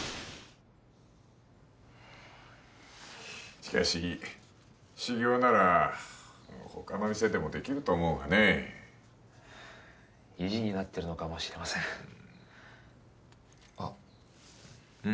しかし修業なら他の店でもできると思うがね意地になってるのかもしれませんあッうん？